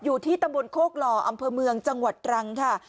อยู่ที่ตำบลโคกหล่ออำเภอเมืองจังหวัดตรังค่ะ